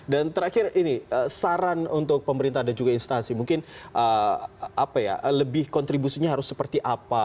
dan terakhir ini saran untuk pemerintah dan juga instansi mungkin apa ya lebih kontribusinya harus seperti apa